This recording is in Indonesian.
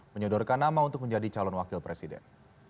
menyodorkan nama untuk menjadi calon wakil presiden